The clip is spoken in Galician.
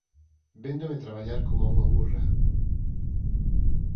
Véndome traballar coma unha burra